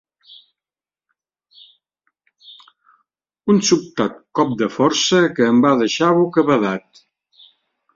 Un sobtat cop de força que em va deixar bocabadat.